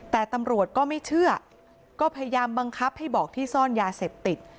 แต่ตำรวจก็ไม่เชื่อก็พยายามบังคับให้บอกที่ซ่อนยาเสพติด